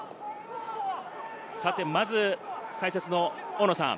まず解説の大野さん。